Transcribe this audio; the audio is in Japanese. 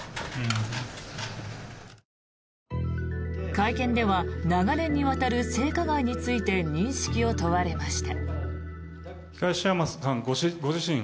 会見では長年にわたる性加害について認識を問われました。